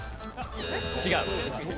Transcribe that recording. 違う。